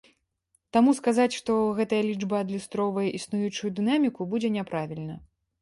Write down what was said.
Таму казаць, што гэтая лічба адлюстроўвае існуючую дынаміку, будзе няправільна.